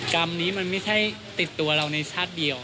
กรรมนี้มันไม่ใช่ติดตัวเราในชาติเดียว